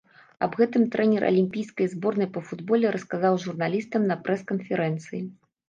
Аб гэтым трэнер алімпійскай зборнай па футболе расказаў журналістам на прэс-канферэнцыі.